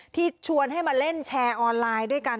ชวนให้มาเล่นแชร์ออนไลน์ด้วยกัน